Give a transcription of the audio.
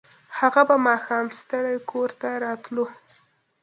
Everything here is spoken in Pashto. هغه به ماښام ستړی کور ته راتلو